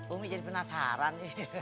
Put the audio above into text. umi jadi penasaran